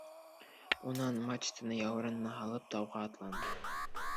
Унан мачтаны яурынына һалып, тауға атланы.